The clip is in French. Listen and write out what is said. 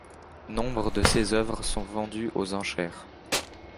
Nombre de ses œuvres sont vendues aux enchères.